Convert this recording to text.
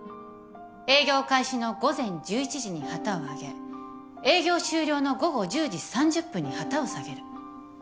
営業開始の午前１１時に旗を上げ営業終了の午後１０時３０分に旗を下げる。